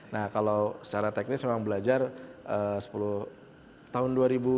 nah kalau secara teknis memang belajar tahun dua ribu dua